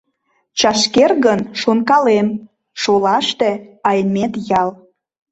Чашкер гын, шонкалем, шолаште — Аймет ял.